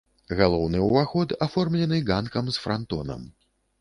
Галоўны ўваход аформлены ганкам з франтонам.